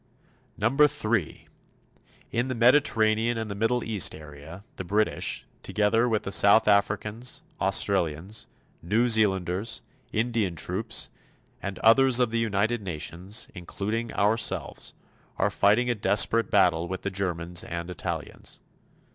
3. In the Mediterranean and the Middle East area the British, together with the South Africans, Australians, New Zealanders, Indian troops and others of the United Nations, including ourselves, are fighting a desperate battle with the Germans and Italians.